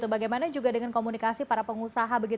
bagaimana juga dengan komunikasi para pengusaha